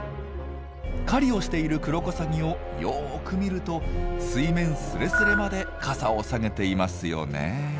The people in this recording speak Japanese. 狩りをしているクロコサギをよく見ると水面スレスレまで傘を下げていますよね。